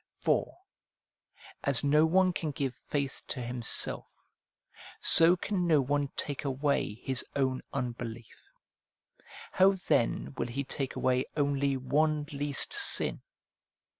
For, as no one can give faith to himself, so can no one take away his own unbelief ; how then will he take away only one least sin